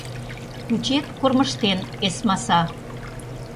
Кучет кормыжтен эсмаса.